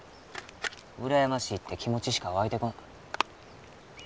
うらやましいって気持ちしか湧いてこん